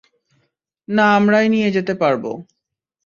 না আমরাই নিয়ে যেতে পারবো।